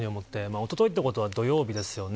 おとといってことは土曜日ですよね。